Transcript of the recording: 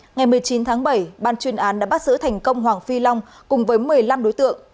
ngày một mươi chín tháng bảy ban chuyên án đã bắt giữ thành công hoàng phi long cùng với một mươi năm đối tượng